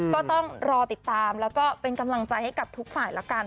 ก็ต้องรอติดตามแล้วก็เป็นกำลังใจให้กับทุกฝ่ายแล้วกัน